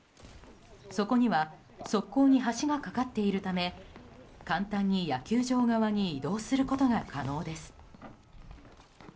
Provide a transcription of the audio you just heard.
そこには側溝に橋が架かっているため簡単に野球場側に移動することが可能です。